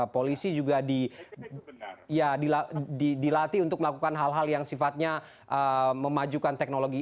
polisi juga dilatih untuk melakukan hal hal yang sifatnya memajukan teknologi